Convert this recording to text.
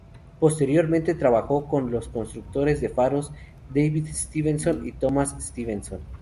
Posteriormente, trabajó con los constructores de faros David Stevenson y Thomas Stevenson.